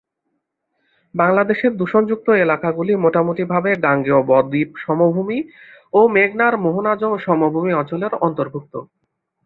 বাংলাদেশের দূষণযুক্ত এলাকাগুলি মোটামুটিভাবে গাঙ্গেয় বদ্বীপ সমভূমি ও মেঘনার মোহনাজ সমভূমি অঞ্চলের অন্তর্ভুক্ত।